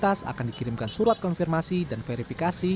pelanggar lalu lintas akan dikirimkan surat konfirmasi dan verifikasi